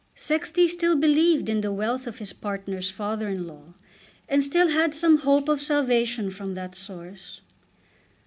Sexty still believed in the wealth of his partner's father in law, and still had some hope of salvation from that source.